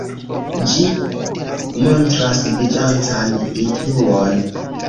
Ĝi montras bizancan influon.